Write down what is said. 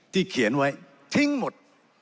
เขียนไว้ทิ้งหมด